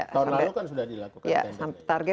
tahun lalu kan sudah di target